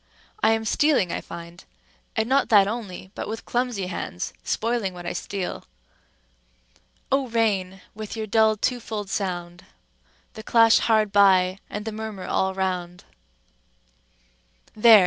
I am stealing, I find, and not that only, but with clumsy hands spoiling what I steal:— "O Rain! with your dull twofold sound, The clash hard by, and the murmur all round:" —there!